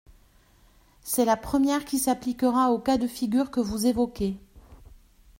C’est la première qui s’appliquera au cas de figure que vous évoquez.